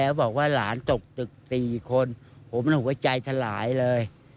เขบอกว่าหลานจกตึก๔คนผมนะหัวใจสลายเลย